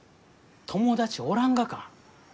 友達おらんがか？